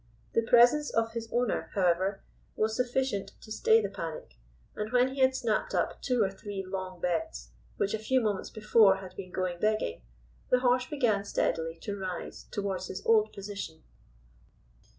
The presence of his owner, however, was sufficient to stay the panic, and when he had snapped up two or three long bets, which a few moments before had been going begging, the horse began steadily to rise towards his old position.